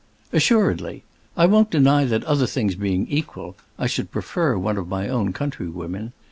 "Assuredly. I won't deny that, other things being equal, I should prefer one of my own countrywomen.